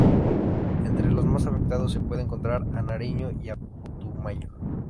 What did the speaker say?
Entre los más afectados se puede encontrar a Nariño y a Putumayo.